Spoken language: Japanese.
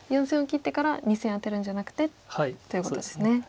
４線を切ってから２線アテるんじゃなくてということですね。